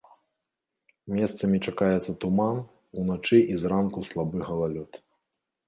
Месцамі чакаецца туман, уначы і зранку слабы галалёд.